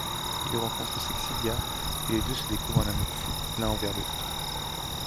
Il rencontre Sexilia et les deux se découvrent un amour fou l'un envers l'autre.